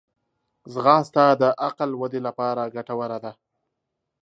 ځغاسته د عقل ودې لپاره ګټوره ده